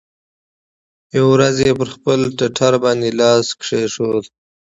يوه ورځ يې پر خپل ټټر باندې لاس کښېښوو.